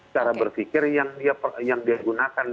cara berpikir yang dia gunakan